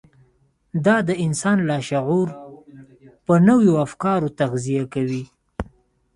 دا د انسان لاشعور په نويو افکارو تغذيه کوي.